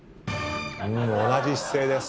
同じ姿勢です。